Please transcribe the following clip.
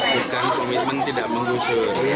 bukan komitmen tidak berhasil